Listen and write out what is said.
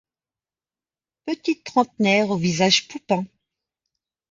petite trentenaire au visage poupin.